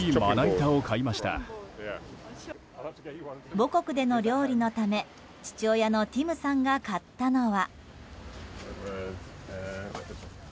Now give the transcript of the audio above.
母国での料理のため父親のティムさんが買ったのは。